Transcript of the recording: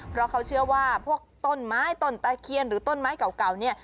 เพราะเขาเชื่อว่าพวกต้นไม้ต้นตะเคียนหรือต้นไม้เก่าเนี่ย